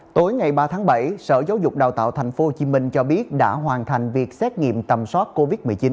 tối ngày ba tháng bảy sở giáo dục đào tạo tp hcm cho biết đã hoàn thành việc xét nghiệm tầm soát covid một mươi chín